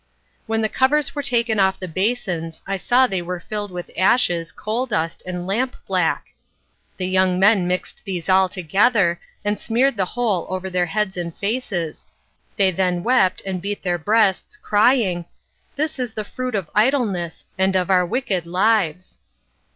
When the covers were taken off the basins, I saw they were filled with ashes, coal dust, and lamp black. The young men mixed these all together, and smeared the whole over their heads and faces. They then wept and beat their breasts, crying, "This is the fruit of idleness, and of our wicked lives."